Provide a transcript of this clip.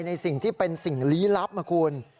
ในสิ่งที่เป็นสิ่งลี้ลับนะคุณ